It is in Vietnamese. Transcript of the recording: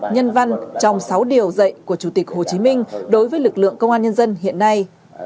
nhân văn trong sáu điều dạy của chủ tịch hồ chí minh đối với lực lượng công an nhân dân hiện nay